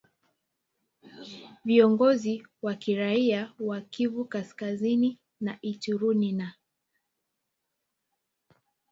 viongozi wa kiraia wa Kivu Kaskazini na Ituri na